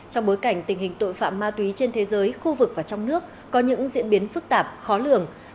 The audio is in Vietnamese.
trong bối cảnh tình hình tội phạm ma túy trên thế giới khu vực và trong nước có những diễn biến phức tạp khó lường